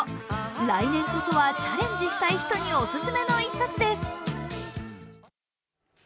来年こそはチャレンジしたい人にお勧めの一冊です。